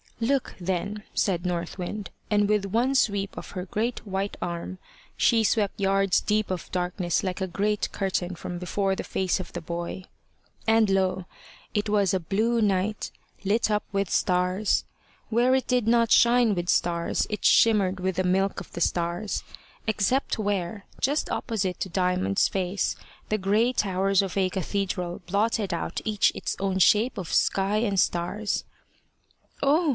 "Look, then," said North Wind; and, with one sweep of her great white arm, she swept yards deep of darkness like a great curtain from before the face of the boy. And lo! it was a blue night, lit up with stars. Where it did not shine with stars it shimmered with the milk of the stars, except where, just opposite to Diamond's face, the grey towers of a cathedral blotted out each its own shape of sky and stars. "Oh!